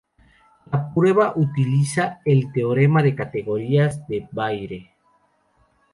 La prueba utiliza el Teorema de categorías de Baire.